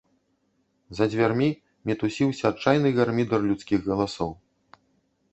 За дзвярмі мітусіўся адчайны гармідар людскіх галасоў.